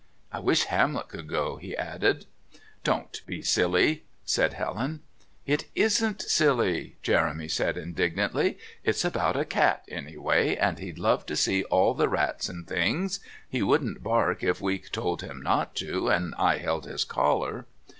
I wish Hamlet could go," he added. "Don't be silly!" said Helen. "It isn't silly," Jeremy said indignantly. "It's all about a cat, anyway, and he'd love to see all the rats and things. He wouldn't bark if we told him not to, and I held his collar."